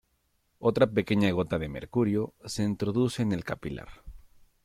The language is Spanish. Otra pequeña gota de mercurio se introduce en el capilar.